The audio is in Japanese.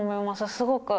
すごく。